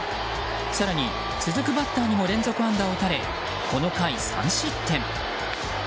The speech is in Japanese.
更に、続くバッターにも連続安打を打たれこの回、３失点。